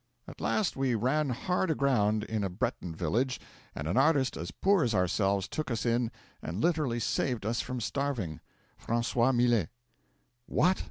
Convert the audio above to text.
'At last we ran hard aground in a Breton village, and an artist as poor as ourselves took us in and literally saved us from starving Francois Millet ' 'What!